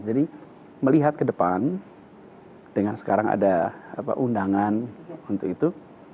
jadi melihat ke depan dengan sekarang ada undangan untuk itu